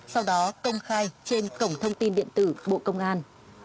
sau đó công khai trên cổng thông tin điện tử bộ công an